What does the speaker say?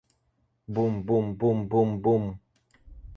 Бум, бум, бум, бум, бум.